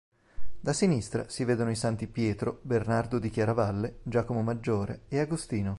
Da sinistra si vedono i santi Pietro, Bernardo di Chiaravalle, Giacomo maggiore e Agostino.